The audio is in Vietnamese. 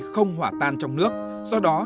không hỏa tan trong nước do đó